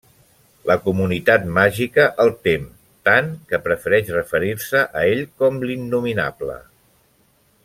La comunitat màgica el tem tant, que prefereix referir-se a ell com l'Innominable.